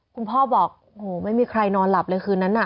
คุณพ่อบอกโอ้โหไม่มีใครนอนหลับเลยคืนนั้นน่ะ